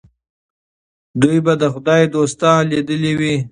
دوی به د خدای دوستان لیدلي وي.